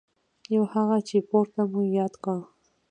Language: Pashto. یو هغه چې پورته مو یاد کړ.